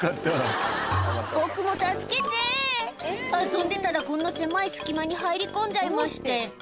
「遊んでたらこんな狭い隙間に入り込んじゃいまして」